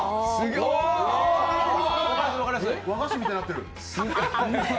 和菓子みたいになってる。